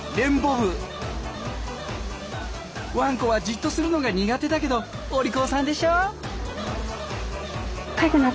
ワンコはじっとするのが苦手だけどお利口さんでしょ。